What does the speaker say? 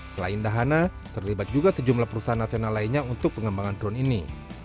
selain dahana terlibat juga sejumlah perusahaan nasional lainnya untuk pengembangan drone ini